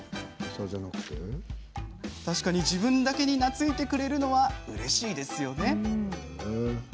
確かに、自分だけに懐いてくれるのはうれしいですよね。